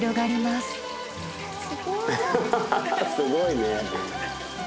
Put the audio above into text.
すごいね。